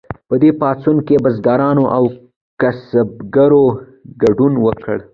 په دې پاڅون کې بزګرانو او کسبګرو ګډون وکړ.